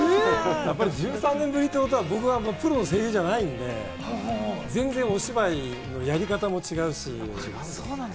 １３年ぶりってことは、僕はプロの声優じゃないんで、全然お芝居のやり方も違うし。